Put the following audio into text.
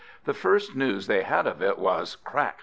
The first news they had of it was crack!